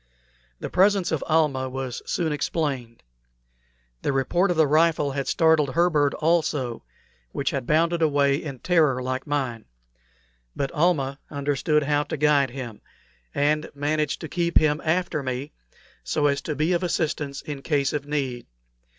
The presence of Almah was soon explained. The report of the rifle had startled her bird also, which had bounded away in terror like mine; but Almah understood how to guide him, and managed to keep him after me, so as to be of assistance in case of need.